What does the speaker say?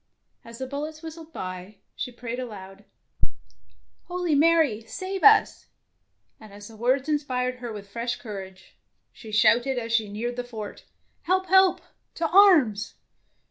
As the bul lets whistled by, she prayed aloud, — "Holy Marie, save us! " and as the words inspired her with fresh courage, she shouted as she neared the fort, — "Help, help, to arms!"